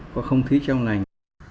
có không thí trong lành